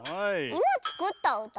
いまつくったうた？